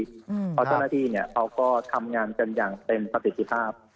เพราะเจ้าหน้าที่เขาก็ทำงานกันอย่างเต็มประสิทธิภาพ